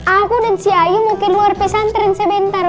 aku dan si ayu mungkin luar pesantren sebentar